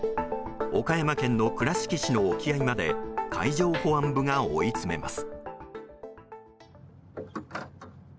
岡山県の倉敷市の沖合まで海上保安部が追い詰めます。